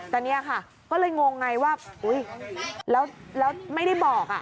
แต่เนี่ยค่ะก็เลยงงไงว่าอุ๊ยแล้วไม่ได้บอก